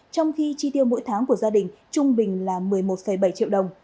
trong khi chi tiêu mỗi tháng của gia đình trung bình là một mươi một bảy triệu đồng